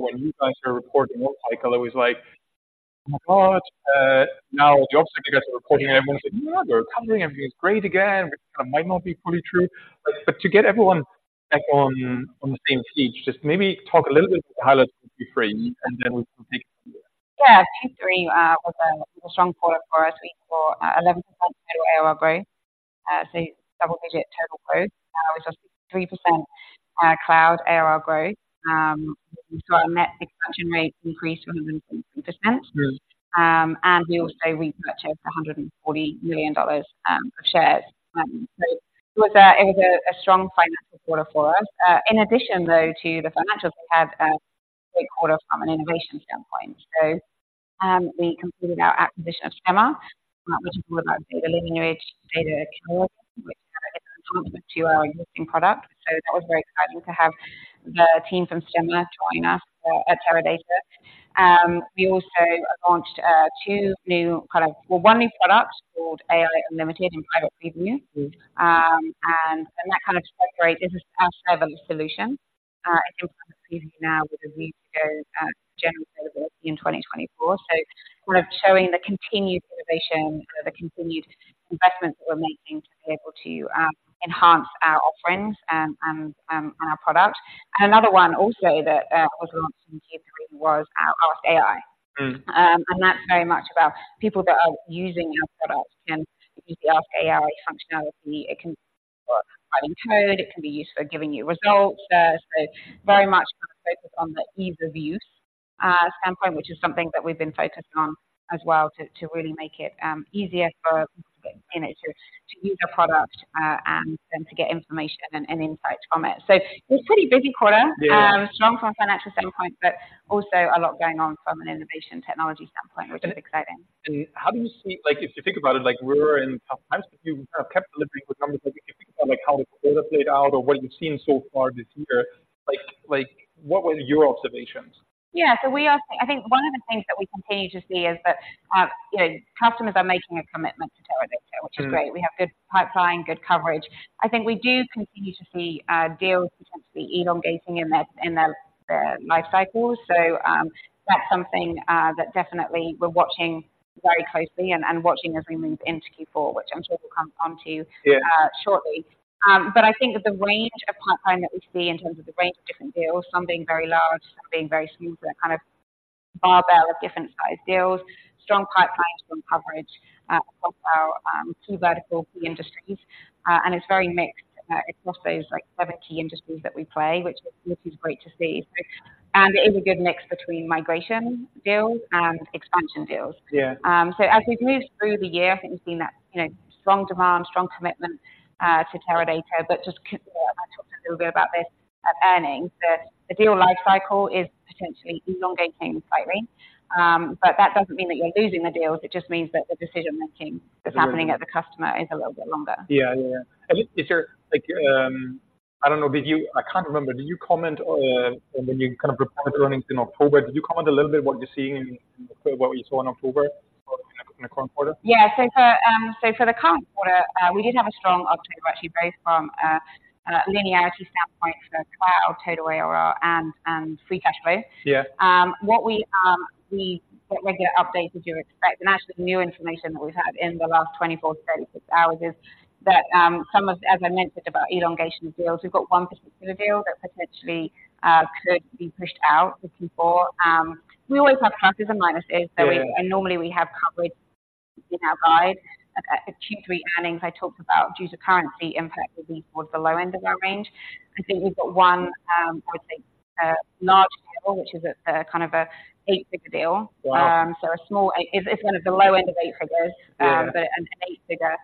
When you guys are reporting the work cycle, it was like, oh my God, now the opposite, you guys are reporting, everyone said, "Yeah, we're covering, everything is great again," which kind of might not be fully true. But to get everyone back on the same page, just maybe talk a little bit about the highlights of Q3, and then we'll take it from there. Yeah, Q3 was a strong quarter for us. We saw 11% total ARR growth, so double-digit total growth. We saw 63% cloud ARR growth. We saw our net expansion rate increase 160%. Mm. And we also repurchased $140 million of shares. So it was a strong financial quarter for us. In addition, though, to the financials, we had a great quarter from an innovation standpoint. So we completed our acquisition of Stemma, which is all about data lineage, data catalog, which is a component to our existing product. So that was very exciting to have the team from Stemma join us at Teradata. We also launched two new products - well, one new product called AI Unlimited in private preview. Mm. And that kind of celebrates this is our serverless solution in private preview now with a view to general availability in 2024. So we're showing the continued innovation and the continued investments that we're making to be able to enhance our offerings and our product. And another one also that was launched in Q3 was our Ask.AI. Mm. And that's very much about people that are using our products can use the ask.ai functionality. It can be used for writing code, it can be used for giving you results. So very much kind of focused on the ease of use standpoint, which is something that we've been focusing on as well, to, to really make it easier for, you know, to, to use a product, and then to get information and, and insight from it. So it was a pretty busy quarter- Yeah. strong from a financial standpoint, but also a lot going on from an innovation technology standpoint, which is exciting. How do you see... Like, if you think about it, like, we're in tough times, but you kind of kept delivering the numbers. Like, if you think about, like, how the quarter played out or what you've seen so far this year, like, what were your observations? Yeah. So we are seeing, I think one of the things that we continue to see is that, you know, customers are making a commitment to Teradata- Mm... which is great. We have good pipeline, good coverage. I think we do continue to see deals potentially elongating in their life cycles. So, that's something that definitely we're watching very closely and watching as we move into Q4, which I'm sure we'll come on to- Yeah... shortly. But I think that the range of pipeline that we see in terms of the range of different deals, some being very large, some being very small, but kind of barbell of different sized deals, strong pipeline, strong coverage, across our, key vertical, key industries. And it's very mixed. It's across those, like, seven key industries that we play, which is, which is great to see. So, and it is a good mix between migration deals and expansion deals. Yeah. So as we've moved through the year, I think we've seen that, you know, strong demand, strong commitment to Teradata, but just I talked a little bit about this at earnings, that the deal life cycle is potentially elongating slightly. But that doesn't mean that you're losing the deals, it just means that the decision-making- Mm That's happening at the customer is a little bit longer. Yeah. And is there, like, I don't know, did you—I can't remember, did you comment when you kind of reported the earnings in October, did you comment a little bit what you're seeing in what you saw in October or in the current quarter? Yeah. So for, so for the current quarter, we did have a strong October, actually, both from a linearity standpoint, so cloud, total ARR and free cash flow. Yeah. What we get updated, as you'd expect, and actually new information that we've had in the last 24-36 hours is that, some of... As I mentioned about elongation of deals, we've got one particular deal that potentially could be pushed out to Q4. We always have pluses and minuses- Yeah... so we and normally we have coverage in our guide. At Q3 earnings, I talked about, due to currency impact, we towards the low end of our range. I think we've got one, I would say, a large deal, which is a kind of eight-figure deal. Wow! So, it's one of the low end of eight figures- Yeah... but an eight-figure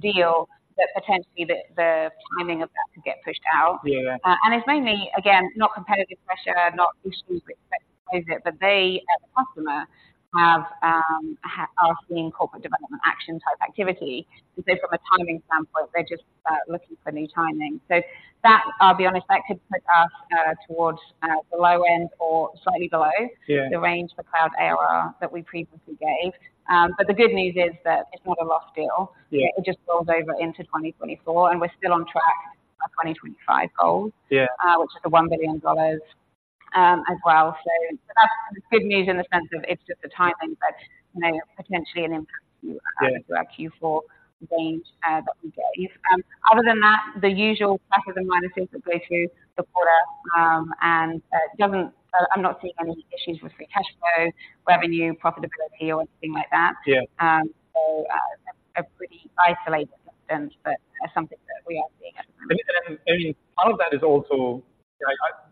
deal that potentially the timing of that could get pushed out. Yeah. And it's mainly, again, not competitive pressure, not issues with fit, but they, as the customer, are seeing corporate development action type activity. So from a timing standpoint, they're just looking for new timing. So that, I'll be honest, that could put us towards the low end or slightly below- Yeah... the range for Cloud ARR that we previously gave. But the good news is that it's not a lost deal. Yeah. It just rolls over into 2024, and we're still on track for our 2025 goals. Yeah... which is a $1 billion, as well. So that's good news in the sense of it's just the timing, but, you know, potentially an impact to, Yeah... to our Q4 range that we gave. Other than that, the usual pluses and minuses that go through the quarter, and it doesn't... I'm not seeing any issues with Free Cash Flow, revenue, profitability, or anything like that. Yeah. So, a pretty isolated incident, but something that we are seeing at the moment. And part of that is also, I...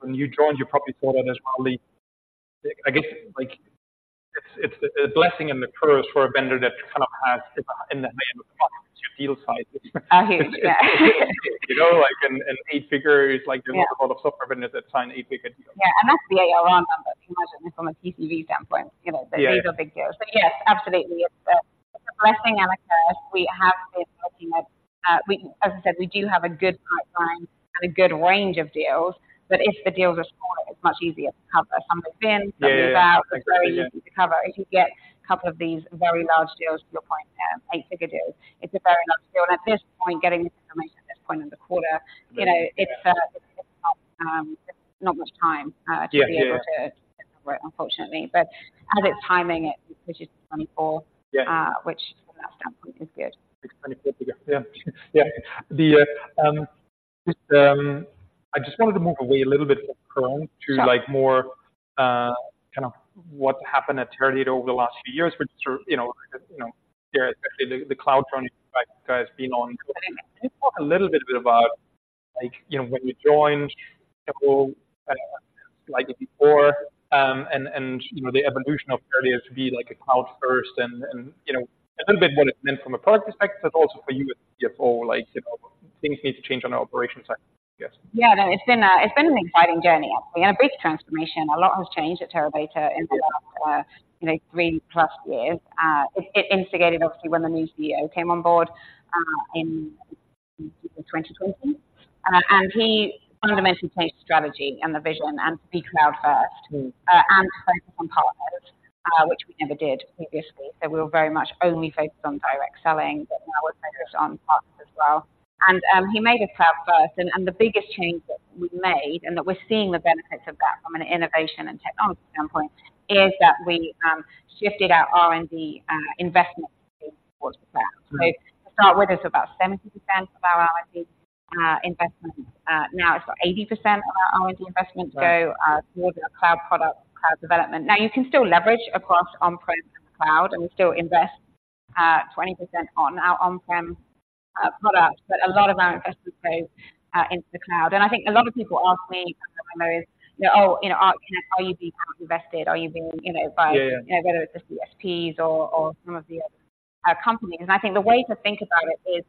When you joined, you probably saw that as well, the, I guess, like, it's a blessing and a curse for a vendor that kind of has it in the name of your deal sizes. Oh, huge. Yeah. You know, like an eight figure is like- Yeah the most of all the software vendors that sign eight-figure deals. Yeah, and that's the ARR number. Imagine this from a TCV standpoint, you know- Yeah... but these are big deals. But yes, absolutely. It's a, it's a blessing and a curse. We have been looking at, as I said, we do have a good pipeline and a good range of deals, but if the deals are smaller, it's much easier to cover. Some are thin, some are thick. Yeah, yeah. It's very easy to cover. If you get a couple of these very large deals, to your point, then eight-figure deal. It's a very large deal, and at this point, getting this information at this point in the quarter- Right. You know, it's not much time. Yeah, yeah... to be able to work, unfortunately. But as it's timing, it, which is 24- Yeah... which from that standpoint is good. It's 24 figure. Yeah. I just wanted to move away a little bit from current- Sure. To, like, more kind of what happened at Teradata over the last few years, which are, you know, especially the cloud journey, like, has been on. Can you talk a little bit about, like, you know, when you joined, you know, like before, and, you know, the evolution of Teradata to be, like, a cloud first and, you know, a little bit what it meant from a product perspective, but also for you as CFO, like, you know, things need to change on the operation side, I guess. Yeah. No, it's been an exciting journey, actually, and a big transformation. A lot has changed at Teradata- Yeah -in the last, you know, three plus years. It instigated, obviously, when the new CEO came on board in 2020. And he fundamentally changed the strategy and the vision, and to be cloud first- Mm-hmm... and focus on partners, which we never did previously. So we were very much only focused on direct selling, but now we're focused on partners as well. And, he made us cloud first, and, and the biggest change that we've made, and that we're seeing the benefits of that from an innovation and technology standpoint, is that we shifted our R&D investment towards the cloud. Right. So to start with, it's about 70% of our R&D investment. Now, it's 80% of our R&D investments- Right -go towards our cloud product, cloud development. Now, you can still leverage across on-prem cloud, and we still invest 20% on our on-prem products, but a lot of our investment goes into the cloud. And I think a lot of people ask me, you know, oh, you know, are you being cloud invested? Are you being, you know, by- Yeah, yeah. You know, whether it's the SPs or some of the other companies. And I think the way to think about it is,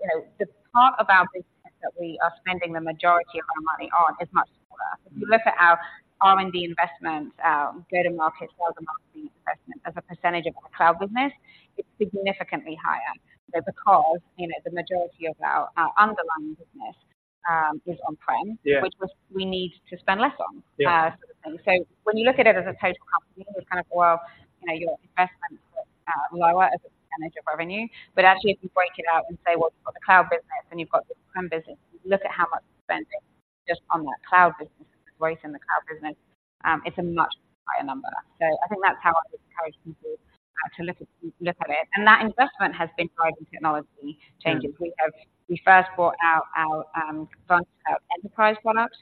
you know, the part of our business that we are spending the majority of our money on is much smaller. Mm-hmm. If you look at our R&D investment, our go-to-market, go-to-market investment, as a percentage of our cloud business, it's significantly higher. So because, you know, the majority of our underlying business is on-prem- Yeah which was we need to spend less on Yeah Sort of thing. So when you look at it as a total company, it's kind of, well, you know, your investment is lower as a percentage of revenue. But actually, if you break it out and say, well, you've got the cloud business, and you've got the on-prem business, you look at how much we're spending just on that cloud business, growth in the cloud business, it's a much higher number. So I think that's how I would encourage people to look at, look at it. And that investment has been driving technology changes. Yeah. We first brought out our Enterprise products,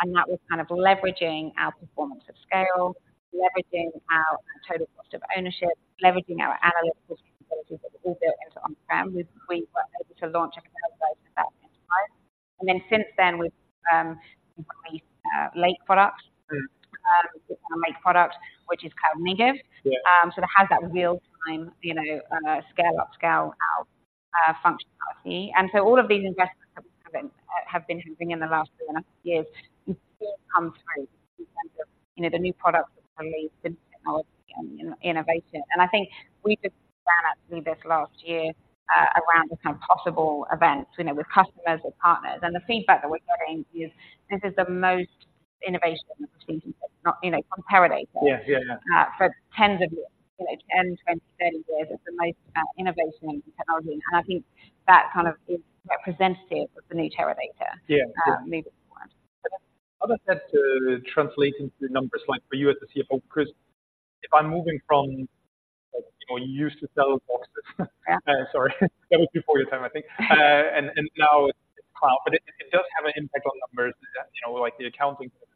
and that was kind of leveraging our performance of scale, leveraging our total cost of ownership, leveraging our analytics capabilities that were all built into on-prem. We were able to launch an Enterprise at that time. And then since then, we've released Lake products- Mm-hmm... Lake product, which is kind of negative. Yeah. So that has that real-time, you know, scale up, scale out, functionality. And so all of these investments have been happening in the last 2.5 years, it all comes through, you know, the new products that we released, in technology and in innovation. And I think we just saw actually this last year, around the kind of possible events, you know, with customers or partners, and the feedback that we're getting is this is the most innovation that we've seen, you know, from Teradata- Yeah.... for tens of years, you know, 10, 20, 30 years. It's the most innovation in technology. And I think that kind of is representative of the new Teradata- Yeah moving forward. How does that translate into numbers, like for you as the CFO? Because if I'm moving from, like, you know, you used to sell boxes. Yeah. Sorry, that was before your time, I think. And now it's cloud, but it does have an impact on numbers, you know, like the accounting, et cetera, as well.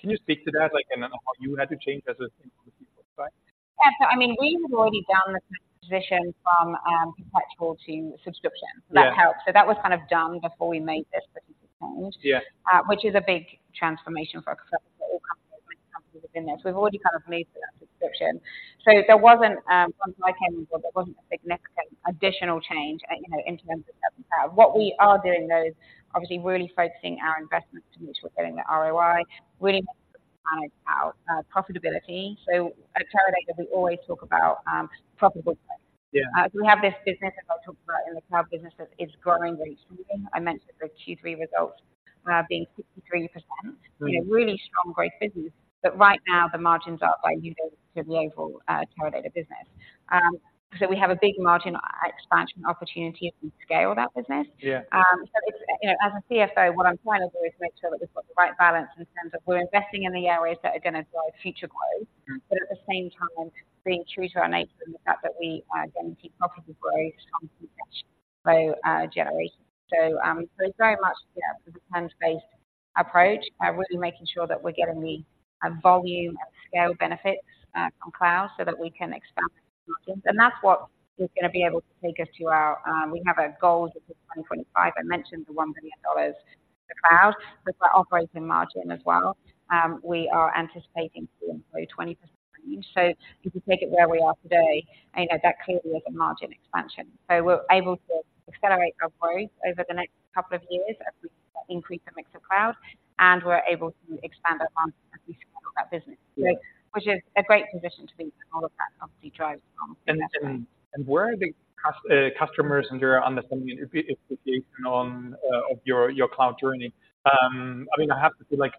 Can you speak to that, like, and then how you had to change as a CFO side? Yeah. So I mean, we had already done the transition from perpetual to subscription. Yeah. That helped. So that was kind of done before we made this particular change- Yeah... which is a big transformation for a couple, for all companies, companies within there. So we've already kind of moved to that subscription. So there wasn't, when I came on board, there wasn't a significant additional change, you know, in terms of subscription. What we are doing, though, is obviously really focusing our investments to make sure we're getting the ROI, really planning out, profitability. So at Teradata, we always talk about profitable growth. Yeah. So we have this business, that I talked about in the cloud business, that is growing very strongly. I mentioned the Q3 results, being 63%. Mm-hmm. You know, really strong growth business, but right now the margins are by using the overall Teradata business. So we have a big margin expansion opportunity as we scale that business. Yeah. So it's, you know, as a CFO, what I'm trying to do is make sure that we've got the right balance in terms of we're investing in the areas that are gonna drive future growth, but at the same time, being true to our nature and the fact that we are gonna keep profitable growth from cash flow generation. So it's very much, yeah, a performance-based approach by really making sure that we're getting the volume and scale benefits from cloud so that we can expand the margins. And that's what is gonna be able to take us to our. We have a goal for 2025. I mentioned the $1 billion in the cloud with our operating margin as well. We are anticipating to uncertain 20%. If you take it where we are today, I know that clearly is a margin expansion. We're able to accelerate our growth over the next couple of years as we increase the mix of cloud, and we're able to expand our margins as we scale that business. Yeah. Which is a great position to be, and all of that obviously drives from- Where are the customers, their understanding of your application of your cloud journey? I mean, I have to feel like,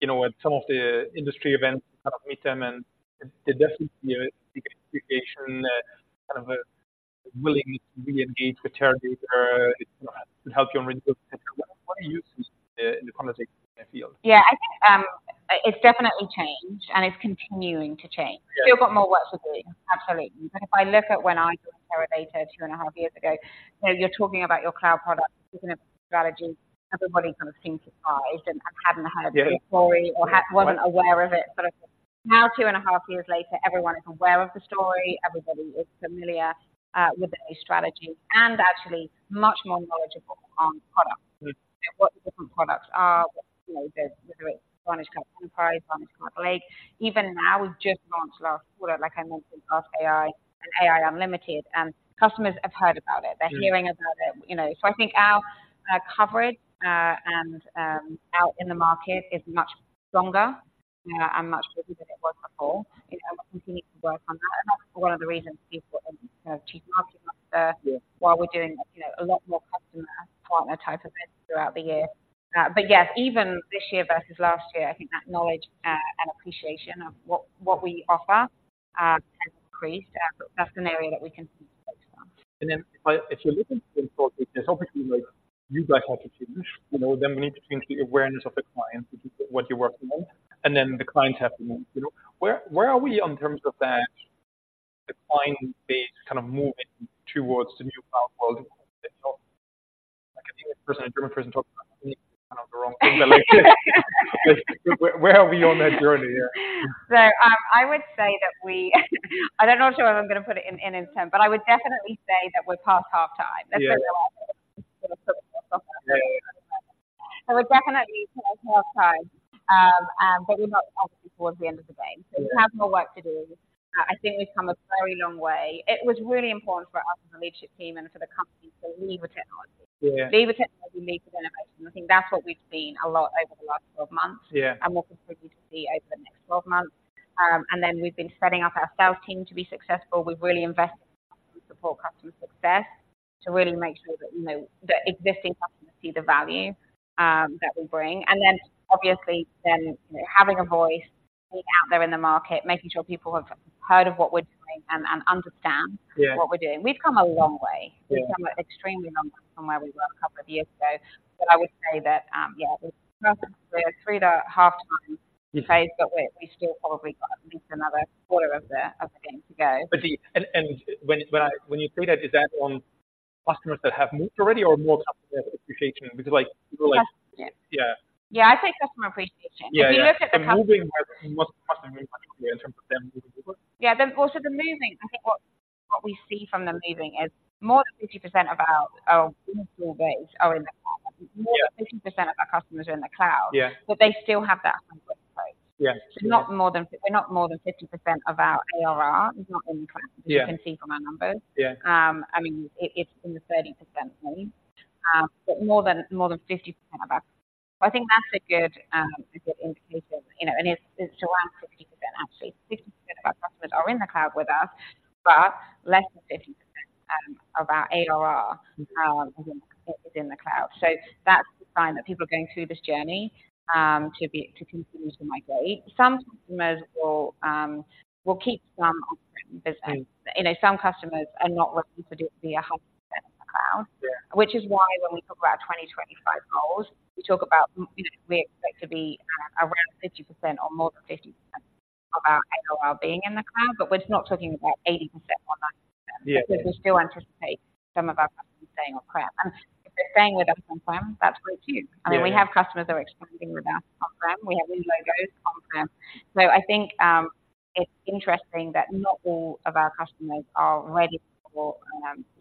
you know, at some of the industry events, kind of meet them, and there's definitely a big expectation, kind of a willingness to really engage with Teradata. It's gonna help you on rental. What do you see in the climate field? Yeah, I think, it's definitely changed, and it's continuing to change. Yeah. Still got more work to do, absolutely. But if I look at when I joined Teradata two and a half years ago, so you're talking about your cloud product strategy, everybody kind of seemed surprised and hadn't heard the story- Yeah. or had, wasn't aware of it. But now, two and a half years later, everyone is aware of the story, everybody is familiar with the strategy, and actually much more knowledgeable on the product. Mm. What the different products are, you know, whether it's VantageCloud Enterprise, VantageCloud Lake. Even now, we've just launched our product, like I mentioned, ask.ai and AI Unlimited, and customers have heard about it. Yeah. They're hearing about it, you know. So I think our coverage and out in the market is much stronger and much bigger than it was before. You know, we continue to work on that, and that's one of the reasons people, Chief Marketing Officer- Yeah. while we're doing, you know, a lot more customer partner type events throughout the year. But yes, even this year versus last year, I think that knowledge and appreciation of what we offer has increased. That's an area that we continue to focus on. And then if you look at the important, there's obviously, like, you guys have to change, you know, then we need to change the awareness of the client, which is what you're working on, and then the clients have to move, you know. Where are we in terms of that, the client base kind of moving towards the new cloud world? It's not like an English person and a German person talking about kind of the wrong thing. Where are we on that journey here? I would say that we, I don't know for sure whether I'm gonna put it in terms, but I would definitely say that we're past half time. Yeah. That's where we are. So we're definitely past half time, but we're not towards the end of the game. Yeah. So we have more work to do. I think we've come a very long way. It was really important for us, as a leadership team and for the company, to lead with technology. Yeah. Lead with technology, lead with innovation. I think that's what we've seen a lot over the last 12 months- Yeah... and will continue to see over the next 12 months. And then we've been setting up our sales team to be successful. We've really invested to support customer success, to really make sure that, you know, the existing customers see the value that we bring. And then, obviously, then, you know, having a voice out there in the market, making sure people have heard of what we're doing and, and understand- Yeah... what we're doing. We've come a long way. Yeah. We've come an extremely long way from where we were a couple of years ago. But I would say that, yeah, we're through the half time- Yeah -phase, but we still probably got at least another quarter of the game to go. And when you say that, is that on customers that have moved already or more customer appreciation? Because, like, people like- Customer appreciation. Yeah. Yeah, I'd say customer appreciation. Yeah, yeah. If you look at the customer- Moving, most customers, particularly in terms of them moving forward. Yeah, then also the moving, I think what we see from them moving is more than 50% of our user base are in the cloud. Yeah. More than 50% of our customers are in the cloud. Yeah. They still have that on-premises. Yeah. Not more than, not more than 50% of our ARR is not in the cloud- Yeah... as you can see from our numbers. Yeah. I mean, it's in the 30% range, but more than, more than 50% of us. I think that's a good, a good indication, you know, and it's, it's around 50%, actually. 50% of our customers are in the cloud with us, but less than 50% of our ARR is in, is in the cloud. So that's a sign that people are going through this journey, to be-- to continue to migrate. Some customers will, will keep some on-premise. Yeah. You know, some customers are not looking to be 100% in the cloud. Yeah. Which is why when we talk about our 2025 goals, we talk about, you know, we expect to be around 50% or more than 50% of our ARR being in the cloud, but we're not talking about 80% or 90%. Yeah, yeah. Because we still anticipate some of our customers staying on-prem. If they're staying with us on-prem, that's great, too. Yeah. I mean, we have customers that are expanding with us on-prem. We have new logos on-prem. I think it's interesting that not all of our customers are ready for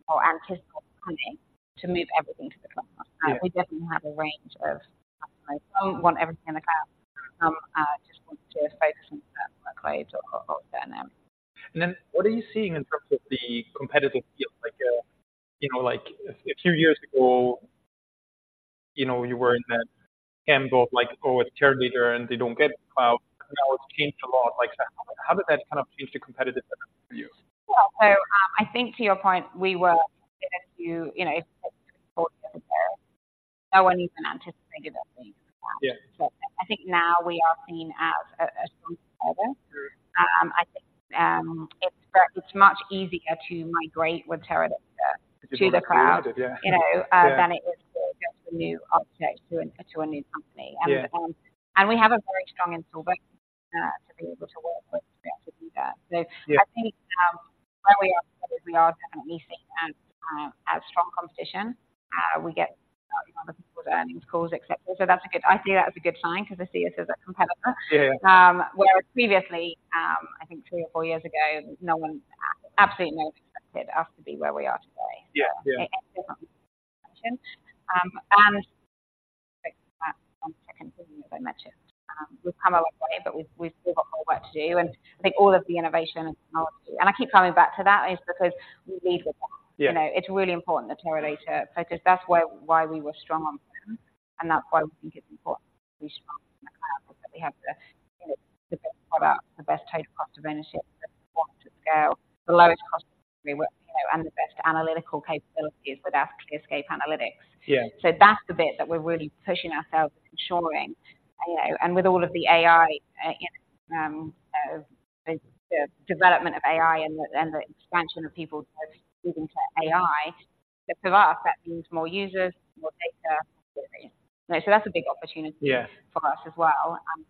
or anticipate planning to move everything to the cloud. Yeah. We definitely have a range of customers who don't want everything in the cloud, just want to focus on certain workloads or on-prem. And then, what are you seeing in terms of the competitive field? Like, you know, like a few years ago, you know, you were in that camp of like, Oh, it's Teradata, and they don't get cloud. Now, it's changed a lot. Like, how did that kind of change the competitive for you? Yeah. So, I think to your point, we were in a few, you know, no one even anticipated that thing. Yeah. So I think now we are seen as a strong competitor. Sure. I think it's much easier to migrate with Teradata- To the cloud, yeah.... to the cloud, you know- Yeah... than it is to go to a new object, to a new company. Yeah. We have a very strong installer to be able to work with to do that. Yeah. So I think, where we are, we are definitely seen as a strong competition. We get a lot of people's earnings calls, et cetera. So that's a good - I see that as a good sign because they see us as a competitor. Yeah, yeah. Whereas previously, I think three or four years ago, no one, absolutely no one expected us to be where we are today. Yeah, yeah. As I mentioned, we've come a long way, but we've still got more work to do. I think all of the innovation and technology, and I keep coming back to that, is because we lead with that. Yeah. You know, it's really important that Teradata, because that's why, why we were strong on-prem, and that's why we think it's important to be strong on the cloud, that we have the, you know, the best product, the best total cost of ownership, the lowest cost and the best analytical capabilities with our ClearScape Analytics. Yeah. So that's the bit that we're really pushing ourselves ensuring, you know, and with all of the AI, you know, the development of AI and the expansion of people moving to AI, so for us, that means more users, more data. So that's a big opportunity- Yeah. For us as well, and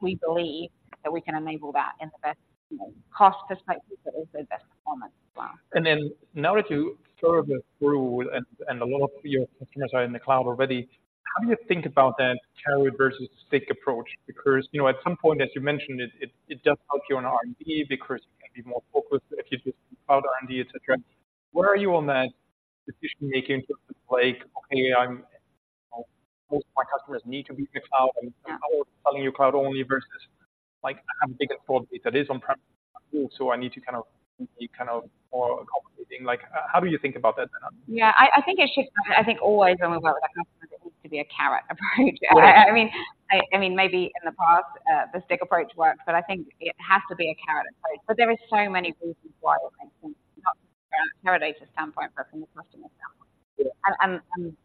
we believe that we can enable that in the best, you know, cost perspective, but also best performance as well. And then now that you sort of through and a lot of your customers are in the cloud already, how do you think about that carrot versus stick approach? Because, you know, at some point, as you mentioned, it does help you on R&D because you can be more focused if you just cloud R&D, et cetera. Where are you on that decision-making? Like, okay, I'm most of my customers need to be in the cloud, and I'm selling you cloud only versus like, I have a big portfolio that is on-premise, so I need to kind of be more accommodating. Like, how do you think about that dynamic? Yeah, I think it shifts. I think always when we work with our customers, it needs to be a carrot approach. Right. I mean, maybe in the past, the stick approach worked, but I think it has to be a carrot approach. But there are so many reasons why it makes sense, not just from a Teradata standpoint, but from the customer standpoint.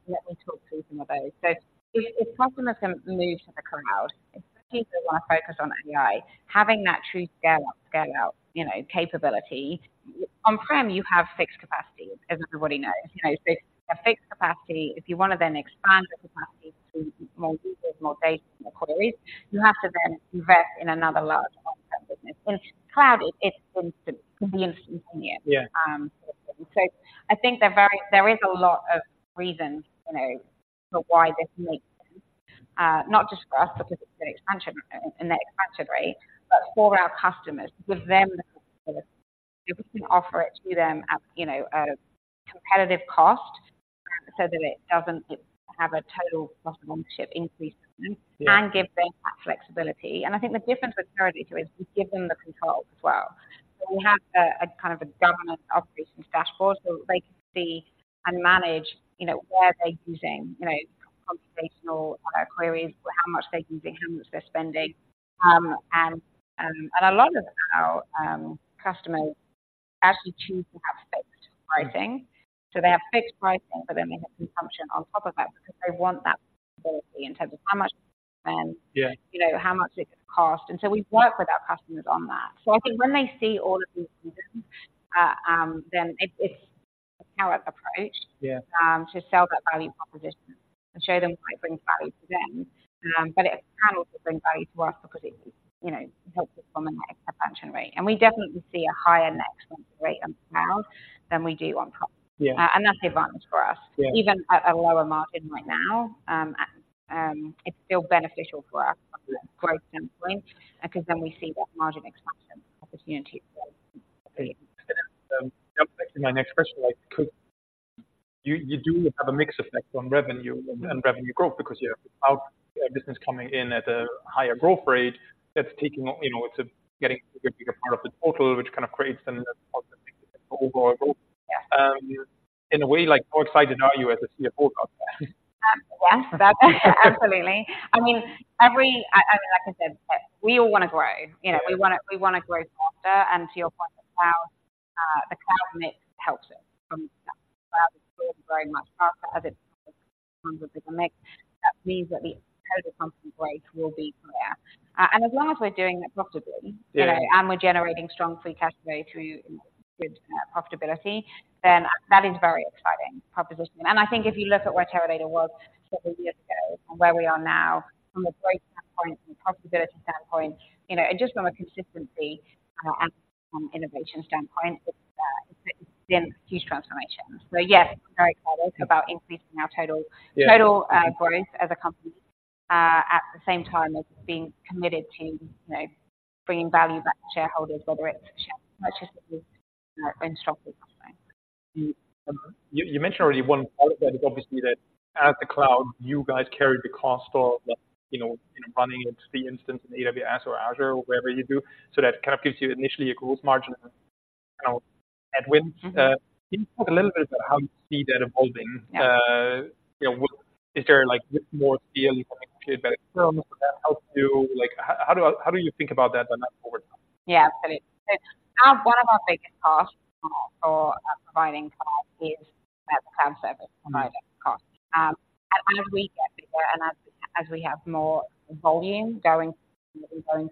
Let me talk through some of those. So if customers can move to the cloud, especially if they want to focus on AI, having that true scale, scale out, you know, capability. On-prem, you have fixed capacity, as everybody knows. You know, so a fixed capacity, if you want to then expand the capacity to more users, more data, more queries, you have to then invest in another large on-prem business. In cloud, it's instant, can be instantaneous. Yeah. So I think there is a lot of reasons, you know, for why this makes sense, not just for us, because it's an expansion and an expansion rate, but for our customers, give them the... If we can offer it to them at, you know, a competitive cost so that it doesn't have a total cost of ownership increase. Yeah... and give them that flexibility. And I think the difference with Teradata, too, is we give them the controls as well. So we have a kind of a governance operations dashboard, so they can see and manage, you know, where are they using, you know, computational queries, how much they're using, how much they're spending. And a lot of our customers actually choose to have fixed pricing. So they have fixed pricing, but then they have consumption on top of that because they want that flexibility in terms of how much to spend- Yeah. you know, how much it costs. And so we've worked with our customers on that. So I think when they see all of these reasons, then it's a carrot approach- Yeah... to sell that value proposition and show them why it brings value to them. But it can also bring value to us because it, you know, helps us on the expansion rate. And we definitely see a higher net rate on cloud than we do on- Yeah. That's the advantage for us. Yeah. Even at a lower margin right now, it's still beneficial for us- Yeah... quite simply, because then we see that margin expansion opportunity. Jumping to my next question, like, you do have a mixed effect on revenue and, and revenue growth because you have cloud business coming in at a higher growth rate that's taking, you know, it's getting a bigger part of the total, which kind of creates then the whole goal. Yeah. In a way, like, how excited are you as a CFO about that? Yes, that's absolutely. I mean, like I said, we all want to grow. Yeah. You know, we wanna, we wanna grow faster. To your point, the cloud, the cloud mix helps us. From cloud, we're growing much faster as it comes with the mix. That means that the total company rate will be clear. And as long as we're doing it profitably- Yeah. You know, and we're generating strong Free Cash Flow through good profitability, then that is a very exciting proposition. And I think if you look at where Teradata was several years ago and where we are now, from a growth standpoint, from a profitability standpoint, you know, and just from a consistency and innovation standpoint, it's, it's been a huge transformation. So, yes, very excited about increasing our total- Yeah. total growth as a company, at the same time as being committed to, you know, bringing value back to shareholders, whether it's through share purchasing or in stronger customers. You mentioned already one part of that is obviously that as the cloud, you guys carry the cost of the, you know, running the instance in AWS or Azure or wherever you do. So that kind of gives you initially a gross margin, you know, at wind. Mm-hmm. Can you talk a little bit about how you see that evolving? Yeah. You know, is there, like, more scale, you get better terms, so that helps you? Like, how do you think about that on that forward time? Yeah, absolutely. So, one of our biggest costs for providing cloud is the cloud service provider cost. As we get bigger and as we have more volume going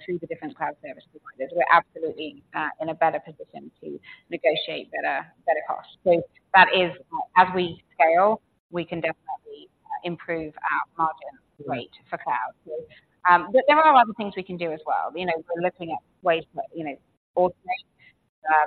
through the different cloud service providers, we're absolutely in a better position to negotiate better costs. So that is, as we scale, we can definitely improve our margin rate for cloud. But there are other things we can do as well. You know, we're looking at ways to, you know, automate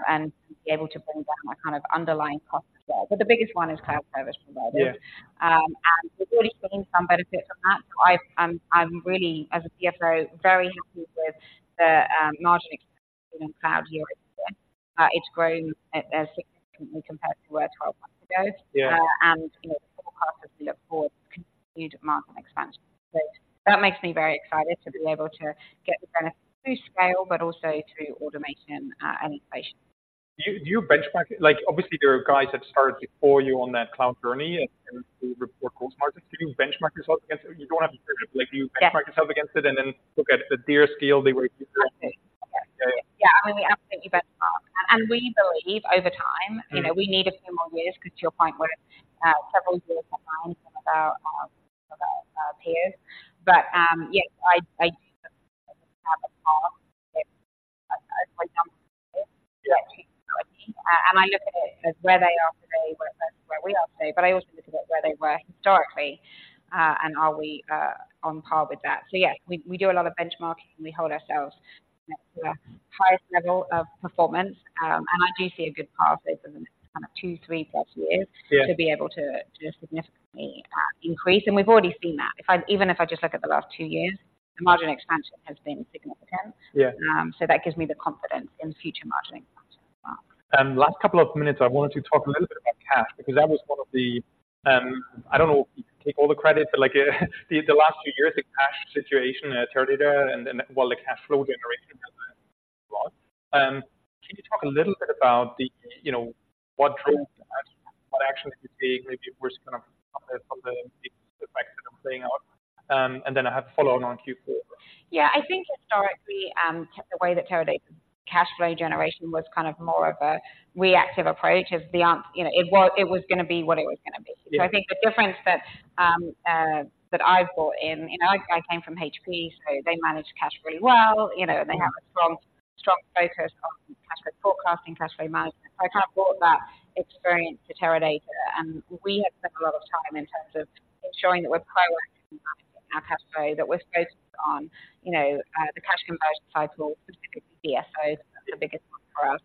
and be able to bring down our kind of underlying costs as well. But the biggest one is cloud service providers. Yeah. And we're already seeing some benefit from that. So I'm really, as a CFO, very happy with the margin expansion in cloud year-over-year. It's grown significantly compared to where 12 months ago. Yeah. You know, forecast as we look forward, continued margin expansion. So that makes me very excited to be able to get the benefit through scale, but also through automation, and efficiency. Do you benchmark? Like, obviously, there are guys that started before you on that cloud journey and they report gross margins. Do you benchmark yourself against it? You don't have to, like, you- Yeah... benchmark yourself against it and then look at their scale, the way you do?... I mean, we absolutely benchmark, and we believe over time, you know, we need a few more years, because to your point, we're several years behind some of our peers. But yes, I do have a path if, for example. Yeah. And I look at it as where they are today, where we are today, but I also look at it where they were historically, and are we on par with that? So, yeah, we do a lot of benchmarking, and we hold ourselves next to the highest level of performance. And I do see a good path over the next kind of two, three, four years- Yeah... to be able to, to significantly, increase, and we've already seen that. If I even if I just look at the last two years, the margin expansion has been significant. Yeah. So that gives me the confidence in future margin expansion as well. Last couple of minutes, I wanted to talk a little bit about cash, because that was one of the, I don't know if you take all the credit, but like, the last few years, the cash situation at Teradata, and then, well, the cash flow generation has a lot. Can you talk a little bit about the, you know, what drove that? What actions you take, maybe worse kind of some of the effects that are playing out? And then I have a follow-on on Q4. Yeah, I think historically, the way that Teradata cash flow generation was kind of more of a reactive approach, you know, it was, it was gonna be what it was gonna be. Yeah. So I think the difference that that I brought in, and I came from HP, so they manage cash really well. You know, they have a strong, strong focus on cash flow forecasting, cash flow management. So I kind of brought that experience to Teradata, and we have spent a lot of time in terms of ensuring that we're proactively managing our cash flow, that we're focused on, you know, the cash conversion cycle, specifically DSOs, that's the biggest one for us.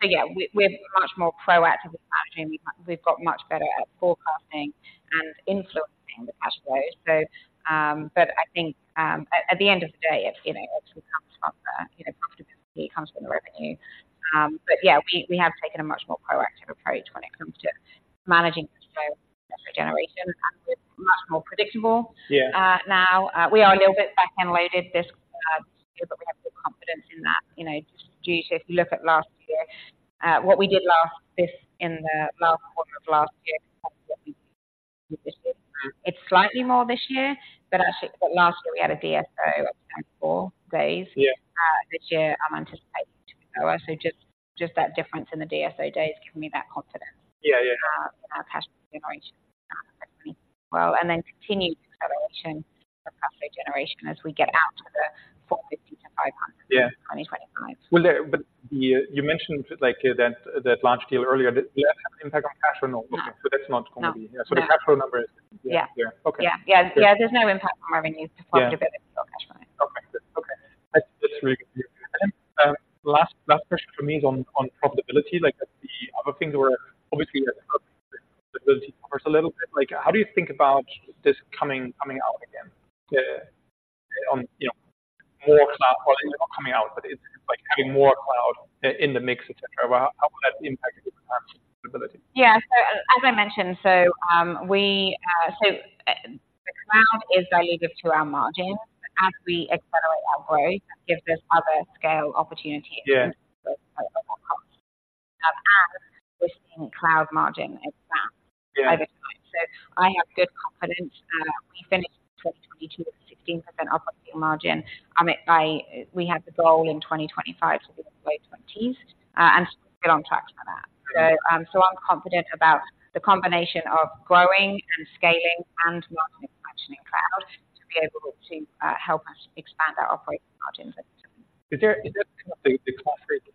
So yeah, we're much more proactive with managing. We've got much better at forecasting and influencing the cash flow. So, but I think, at the end of the day, it, you know, it all comes from the, you know, profitability comes from the revenue. But yeah, we have taken a much more proactive approach when it comes to managing cash flow generation, and it's much more predictable. Yeah. Now, we are a little bit back-ended loaded this year, but we have good confidence in that. You know, just due to if you look at last year, what we did in the last quarter of last year, it's slightly more this year, but actually, but last year, we had a DSO of four days. Yeah. This year, I'm anticipating it to be lower. So just that difference in the DSO days give me that confidence. Yeah, yeah. Our cash generation, well, and then continued acceleration for cash flow generation as we get out to the $450-$500- Yeah... 2025. But you, you mentioned like that, that large deal earlier, did that have impact on cash or no? No. So that's not gonna be- No. The cash flow number is- Yeah. Yeah. Okay. Yeah, yeah. There's no impact on our revenues- Yeah... just a bit cash flow. Okay. That's just really clear. And then, last question for me is on profitability. Like, that's the other thing that we're obviously, like, how do you think about this coming out again, on, you know, more cloud or coming out, but it's like having more cloud in the mix, et cetera. How will that impact profitability? Yeah. So as I mentioned, the cloud is dilutive to our margin. As we accelerate our growth, gives us other scale opportunities- Yeah... and we're seeing cloud margin expand- Yeah... over time. So I have good confidence. We finished 2022 with 16% operating margin. We had the goal in 2025 to be in the low 20s, and still get on track for that. So, I'm confident about the combination of growing and scaling and margin expansion in cloud to be able to, help us expand our operating margins. Is there the conflict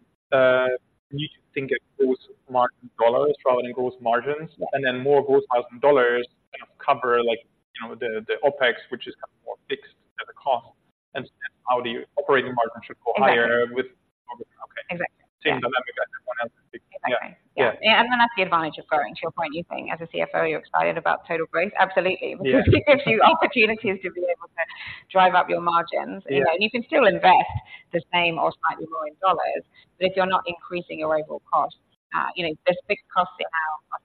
you think of gross margin dollars rather than gross margins, and then more gross margin dollars kind of cover, like, you know, the OpEx, which is more fixed as a cost, and how the operating margin should go higher- Exactly. With... Okay. Exactly. Seeing the dynamic, everyone else. Yeah. Yeah. And then that's the advantage of growing. To your point, you think as a CFO, you're excited about total growth. Absolutely. Yeah. Because it gives you opportunities to be able to drive up your margins. Yeah. You know, you can still invest the same or slightly more in dollars, but if you're not increasing your overall costs, you know, there's fixed costs in our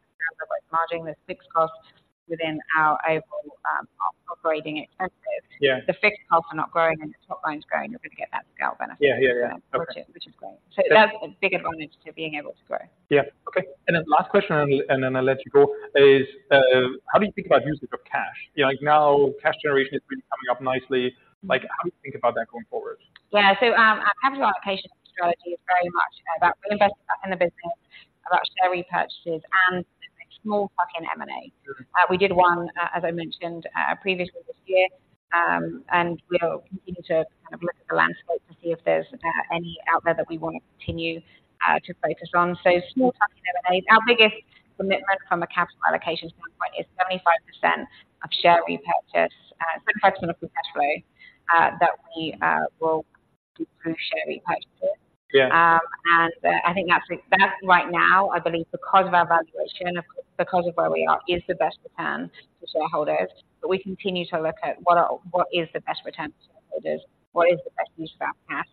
margin, there's fixed costs within our overall operating expenses. Yeah. The fixed costs are not growing, and the top line's growing, you're gonna get that scale benefit. Yeah, yeah, yeah. Okay. Which is, which is great. So that's a big advantage to being able to grow. Yeah. Okay. And then last question, and then, and then I'll let you go, is how do you think about use of cash? You know, like now, cash generation is really coming up nicely. Like, how do you think about that going forward? Yeah. So, our capital allocation strategy is very much about reinvesting back in the business, about share repurchases, and small plug in M&A. Yeah. We did one, as I mentioned, previously this year, and we are continuing to kind of look at the landscape to see if there's any out there that we want to continue to focus on. So small plug in M&A. Our biggest commitment from a capital allocation standpoint is 75% of share repurchase, 75% of the cash flow that we will do through share repurchases. Yeah. I think that's right now, I believe, because of our valuation, because of where we are, is the best return to shareholders. But we continue to look at what is the best return to shareholders, what is the best use of our cash,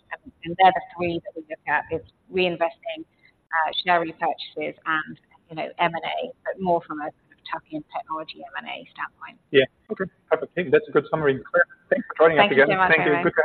and they're the three that we look at is reinvesting, share repurchases and, you know, M&A, but more from a tuck-in technology M&A standpoint. Yeah. Okay. Perfect. That's a good summary. Thanks for joining us again. Thank you very much. Thank you. Good-